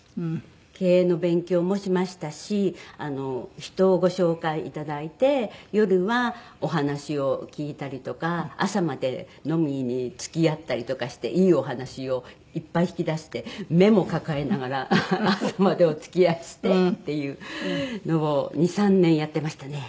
経営の勉強もしましたし人をご紹介いただいて夜はお話を聞いたりとか朝まで飲みに付き合ったりとかしていいお話をいっぱい引き出してメモを抱えながら朝までお付き合いしてっていうのを２３年やってましたね。